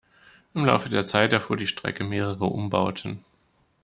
Im Laufe der Zeit erfuhr die Strecke mehrere Umbauten.